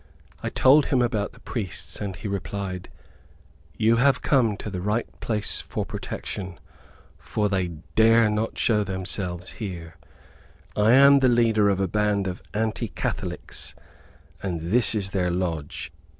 I told him about the priests, and he replied, "you have come to the right place for protection, for they dare not show themselves here. I am the leader of a band of Anti Catholics, and this is their lodge.